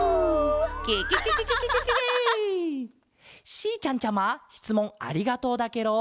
しーちゃんちゃましつもんありがとうだケロ！